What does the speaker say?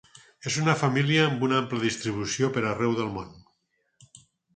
És una família amb una ampla distribució per arreu del món.